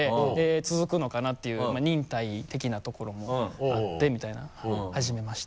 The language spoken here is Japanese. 続くのかなっていう忍耐的なところもあってみたいな始めました。